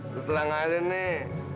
setelah ngajin nih